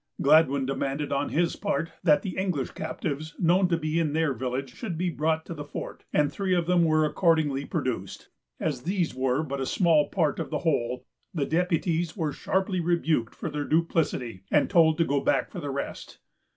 Gladwyn demanded, on his part, that the English captives known to be in their village should be brought to the fort, and three of them were accordingly produced. As these were but a small part of the whole, the deputies were sharply rebuked for their duplicity, and told to go back for the rest.